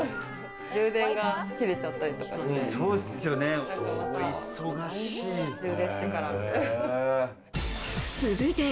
充電が切れちゃったりとかして。